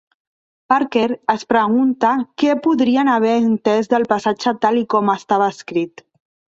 Parker es pregunta què podrien haver entès del passatge tal i com estava escrit.